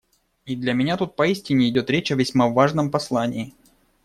И для меня тут поистине идет речь о весьма важном послании.